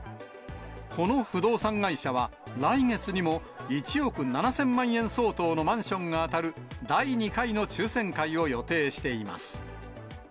この不動産会社は、来月にも１億７０００万円相当のマンションが当たる、第２回の抽せん会を予定しています。